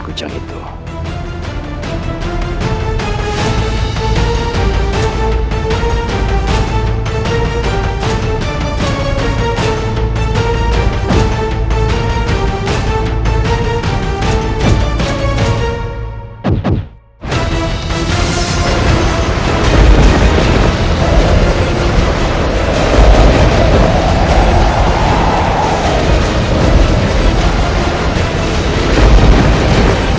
akan aku laksanakan